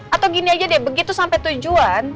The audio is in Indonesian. atau gini aja deh begitu sampai tujuan